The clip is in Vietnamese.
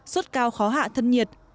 sốt cao khó hạ thân nhiệt